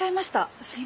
すいません。